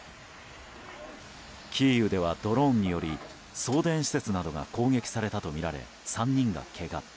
キーウではドローンにより送電施設などが攻撃されたとみられ、３人がけが。